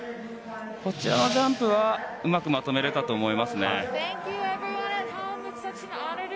こちらのジャンプはうまくまとめられたと思います。